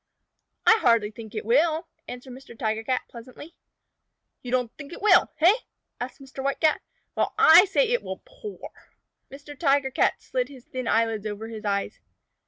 "I hardly think it will," answered Mr. Tiger Cat pleasantly. "You don't think it will, hey?" asked Mr. White Cat. "Well, I say it will pour." Mr. Tiger Cat slid his thin eyelids over his eyes.